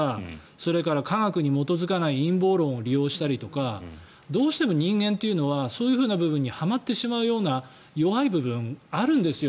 それから科学に基づかない陰謀論を利用したりとかどうしても人間というのはそういうふうな部分にはまってしまうような弱い部分があるんですよ